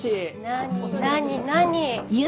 何何何？